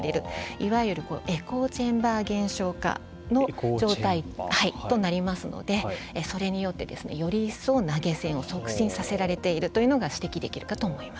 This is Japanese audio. いわゆるエコーチェンバー現象化の状態となりますのでそれによってより一層投げ銭を促進させられているというのがというのが指摘できるかと思います。